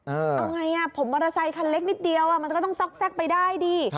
เอาไงผมมอเตอร์ไซคันเล็กนิดเดียวมันก็ต้องซอกแทรกไปได้ดิ